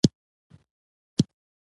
ګوربز د خوست ولايت يوه ولسوالي ده.